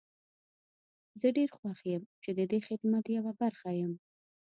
زه ډير خوښ يم چې ددې خدمت يوه برخه يم.